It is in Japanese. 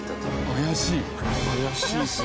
怪しい。